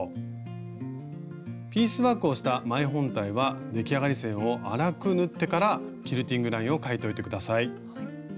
ピースワークをした前本体は出来上がり線を粗く縫ってからキルティングラインを描いておいて下さい。